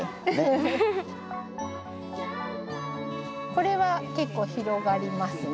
これは結構広がりますね。